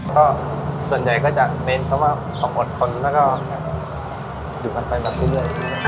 ก็ส่วนใหญ่ก็จะเน้นเข้ามาขอบควรค้นแล้วก็อยู่กันไปแบบทุกอย่าง